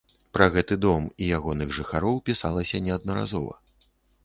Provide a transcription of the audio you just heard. Пра гэты дом і ягоных жыхароў пісалася неаднаразова.